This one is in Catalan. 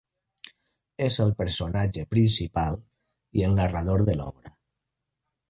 És el personatge principal i el narrador de l'obra.